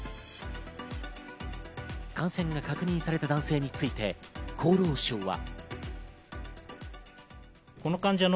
感染が確認された男性について厚労省は。